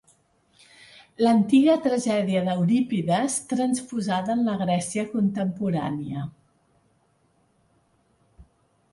L'antiga tragèdia d'Eurípides transposada en la Grècia contemporània.